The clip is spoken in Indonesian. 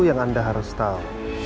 yang anda harus tau